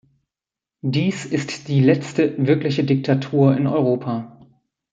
Dies ist die letzte wirkliche Diktatur in Europa.